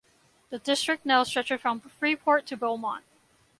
The district now stretches from Freeport to Beaumont.